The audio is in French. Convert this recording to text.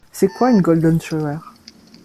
C'est quoi une golden shower?